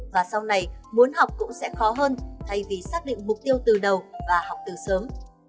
và sau này muốn học cũng sẽ khó hơn thay vì xác định mục tiêu từ đầu và học từ sớm